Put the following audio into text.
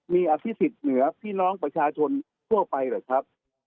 มีอภิษฐ์เหนือพี่น้องประชาชนทั่วไปหรือครับ